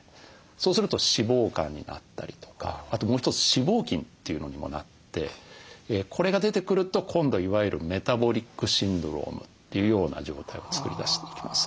そうすると脂肪肝になったりとかあともう一つ脂肪筋というのにもなってこれが出てくると今度いわゆるメタボリックシンドロームというような状態を作り出していきます。